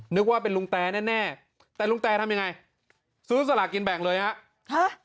นึกว่าเป็นลุงแตแน่แน่แต่ลุงแตทำยังไงซื้อสลากินแบ่งเลยฮะ